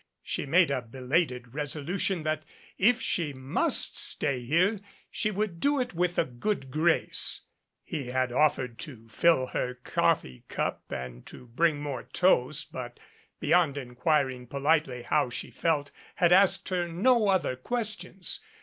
She made a belated resolution that, if she must stay here, she would do it with a good grace. He had offered to fill her coffee cup and to bring more toast, but, beyond inquiring politely how she felt, had asked her no other questions.